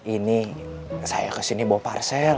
ini saya kesini bawa parsel